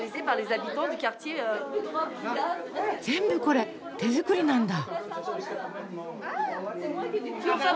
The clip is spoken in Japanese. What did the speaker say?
全部これ手作りなんだ！